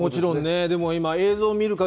もちろんね。